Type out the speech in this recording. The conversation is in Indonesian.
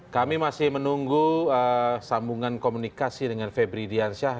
kami masih menunggu sambungan komunikasi dengan febri diansyah